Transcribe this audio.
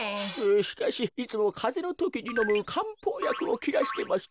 しかしいつもかぜのときにのむかんぽうやくをきらしてまして。